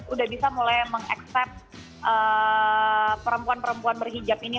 udah bisa mulai meng accept perempuan perempuan berhijab ini